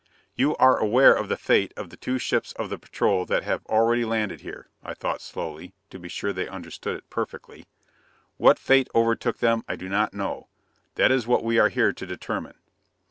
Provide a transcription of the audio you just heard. "You are aware of the fate of the two ships of the Patrol that have already landed here," I thought slowly, to be sure they understood perfectly. "What fate overtook them, I do not know. That is what we are here to determine."